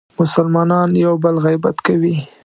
مسلمانان یو بل غیبت کوي.